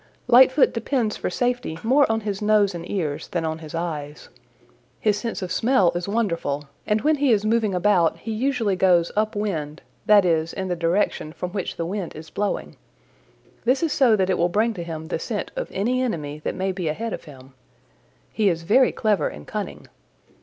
"Lightfoot depends for safety more on his nose and ears than on his eyes. His sense of smell is wonderful, and when he is moving about he usually goes up wind; that is, in the direction from which the wind is blowing. This is so that it will bring to him the scent of any enemy that may be ahead of him. He is very clever and cunning.